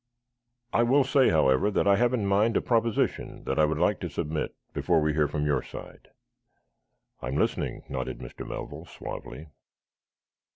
"I will say, however, that I have in mind a proposition that I would like to submit, before we hear from your side." "I am listening," nodded Mr. Melville, suavely.